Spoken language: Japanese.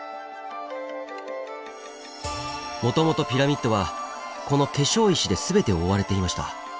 もともとピラミッドはこの化粧石で全て覆われていました。